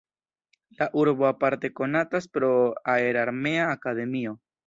La urbo aparte konatas pro aerarmea akademio.